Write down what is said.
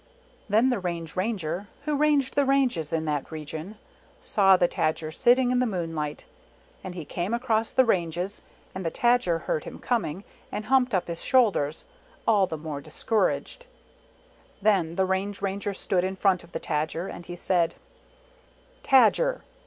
Then the Range Ranger, who ranged the ranges in that region, saw the Tadger sitting in the moon light, and he came across the ranges and the Tadger heard him coming, and humped up his shoulders, all ') iafii . <nirii ;:rfr;oom 91 03 iifigO :>3* lWO=t il , f 'T I the more discouraged. Then the Range Ranger stood in front of the Tadger, and he said, "Tajer!